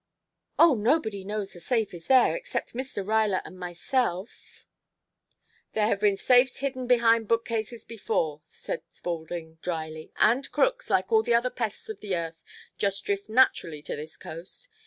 "Oh, nobody knows the safe is there except Mr. Ruyler and myself " "There have been safes hidden behind bookcases before," said Spaulding dryly. "And crooks, like all the other pests of the earth, just drift naturally to this coast.